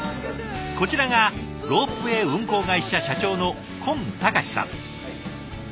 こちらがロープウェイ運行会社社長の今孝志さん。